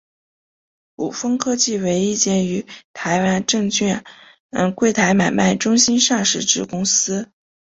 伍丰科技为一间于台湾证券柜台买卖中心上市之公司。